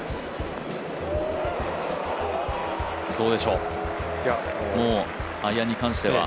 どうでしょう、アイアンに関しては。